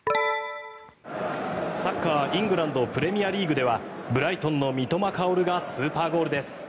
サッカー、イングランド・プレミアリーグではブライトンの三笘薫がスーパーゴールです。